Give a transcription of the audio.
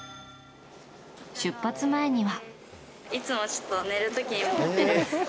出発前には。